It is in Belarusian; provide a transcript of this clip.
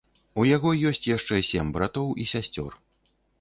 У яго ёсць яшчэ сем братоў і сясцёр.